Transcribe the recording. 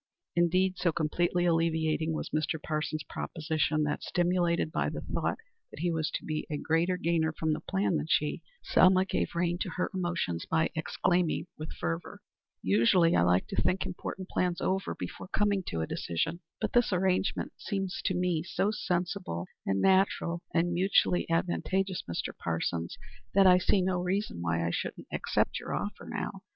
Indeed, so completely alleviating was Mr. Parsons's proposition that, stimulated by the thought that he was to be a greater gainer from the plan than she, Selma gave rein to her emotions by exclaiming with fervor: "Usually I like to think important plans over before coming to a decision; but this arrangement seems to me so sensible and natural and mutually advantageous, Mr. Parsons, that I see no reason why I shouldn't accept your offer now.